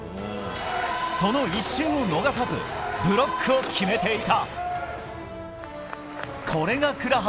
その一瞬を逃さずブロックを決めていた。